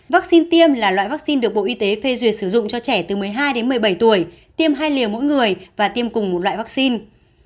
vaccine tiêm là loại vaccine được bộ y tế phê duyệt sử dụng cho trẻ từ một mươi hai đến một mươi bảy tuổi tiêm hai liều mỗi người và tiêm cùng một loại vaccine